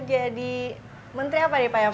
jadi menteri apa nih pak